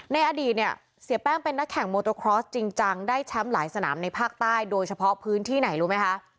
ในอดีตเนี่ยเสียแป้งเป็นนักแข่งโมโตครอสจริงจังได้แชมป์หลายสนามในภาคใต้โดยเฉพาะพื้นที่ไหนรู้ไหมคะ